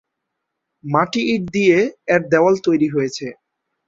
মাটি ইট দিয়ে এর দেওয়াল তৈরী হয়েছে।